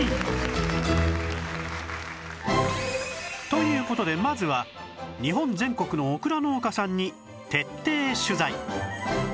という事でまずは日本全国のオクラ農家さんに徹底取材！